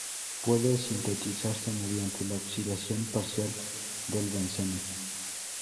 Puede sintetizarse mediante la oxidación parcial del benceno.